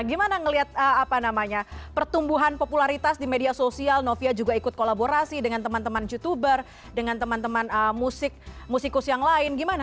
gimana ngeliat apa namanya pertumbuhan popularitas di media sosial novia juga ikut kolaborasi dengan teman teman youtuber dengan teman teman musikus yang lain gimana